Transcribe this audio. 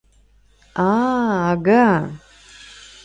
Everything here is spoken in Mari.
А-ага!